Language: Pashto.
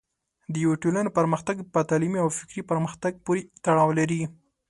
د یوې ټولنې پرمختګ په تعلیمي او فکري پرمختګ پورې تړاو لري.